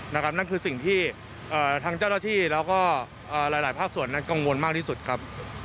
นั่นคือสิ่งที่ทางเจ้าหน้าที่แล้วก็หลายภาคส่วนนั้นกังวลมากที่สุดครับ